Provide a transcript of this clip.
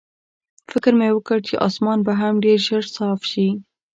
فکر مې وکړ چې اسمان به هم ډېر ژر صاف شي.